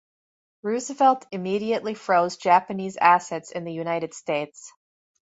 Roosevelt immediately froze Japanese assets in the United States.